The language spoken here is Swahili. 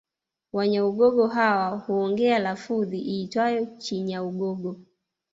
Wanyaugogo hawa huongea lafudhi iitwayo Chinyaugogo